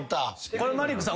これマリックさん